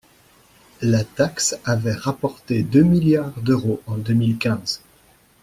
La taxe avait rapporté deux milliards d’euros en deux mille quinze.